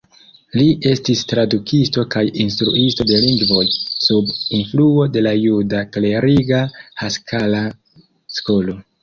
Li estis tradukisto kaj instruisto de lingvoj, sub influo de la juda kleriga Haskala-skolo.